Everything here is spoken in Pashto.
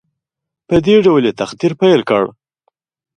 په دې ډول یې تقریر پیل کړ.